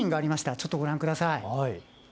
ちょっとご覧ください。